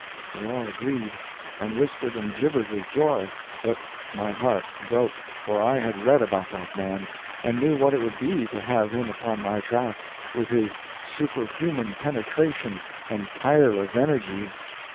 They all agreed, and whispered and jibbered with joy. But my heart broke; for I had read about that man, and knew what it would be to have him upon my track, with his superhuman penetration and tireless energies.